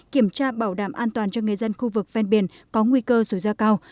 kiểm tra bảo đảm an toàn cho người dân khu vực ven biển có nguy cơ rủi ro cao